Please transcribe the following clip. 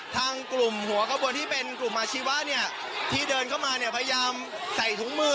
ทางกลุ่มหัวขบวนที่เป็นกลุ่มอาชีวะเนี่ยที่เดินเข้ามาเนี่ยพยายามใส่ถุงมือ